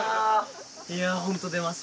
いやあ本当出ます。